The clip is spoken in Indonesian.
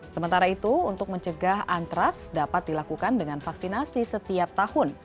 sementara itu untuk mencegah antraks dapat dilakukan dengan vaksinasi setiap tahun